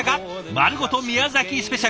「まるごと宮崎スペシャル」。